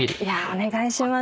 お願いします。